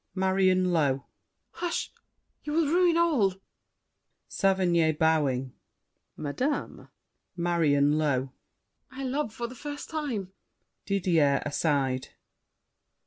MARION (low). Hush! You will ruin all! SAVERNY (bowing). Madame! MARION (low). I love for the first time! DIDIER (aside).